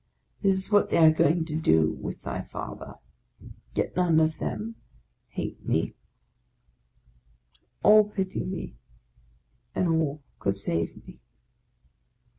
This is what they are going to do with thy Father ; yet none of them hate me, all pity me, and all could save me!